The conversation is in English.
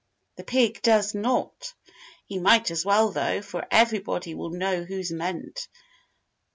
"The pig does not. He might as well, though, for everybody will know who's meant.